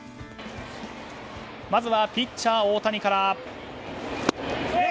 まずはピッチャー大谷から。